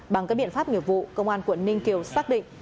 bằng các biện pháp nghiệp vụ công an quận ninh kiều xác định